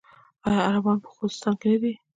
آیا عربان په خوزستان کې نه دي؟